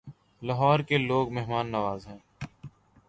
لاہور کے لوگ مہمان نواز ہیں